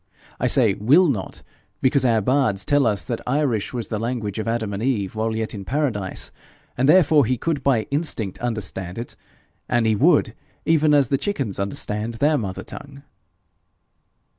I say "WILL not," because our bards tell us that Irish was the language of Adam and Eve while yet in Paradise, and therefore he could by instinct understand it an' he would, even as the chickens understand their mother tongue.'